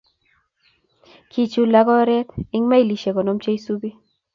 Kichulak oret eng mailishek konom cheisubi